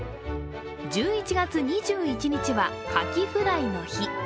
１１月２１日はカキフライの日。